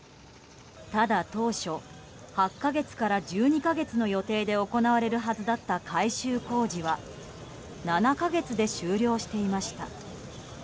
ただ当初、８か月から１２か月の予定で行われるはずだった改修工事は７か月で終了していました。